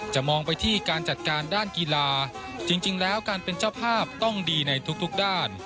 มองไปที่การจัดการด้านกีฬาจริงแล้วการเป็นเจ้าภาพต้องดีในทุกด้าน